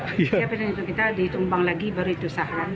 setiap perhitungan kita dihitung bank lagi baru itu sahran